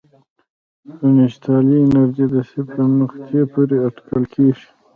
پوتنسیالي انرژي د صفر نقطې پورې اټکل کېږي.